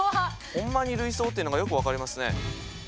ほんまに類想っていうのがよく分かりますね。